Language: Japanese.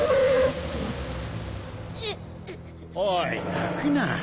おい泣くな